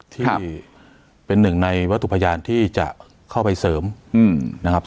ที่เป็นหนึ่งในวัตถุพยานที่จะเข้าไปเสริมนะครับ